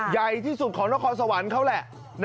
ใยที่สุดของนครสะวัน